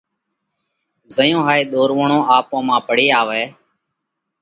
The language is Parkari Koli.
زئيون هيوَئي ۮورووڻ آپون مانه پڙي آوئه،